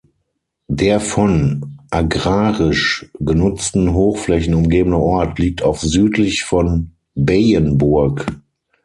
Der von agrarisch genutzten Hochflächen umgebene Ort liegt auf südlich von Beyenburg.